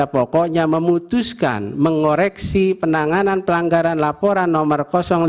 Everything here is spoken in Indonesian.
dan pokoknya memutuskan mengoreksi penanganan pelanggaran laporan nomor lima belas